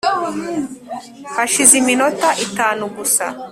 hashize iminota itanu gusa